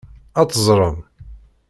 Ad teẓrem.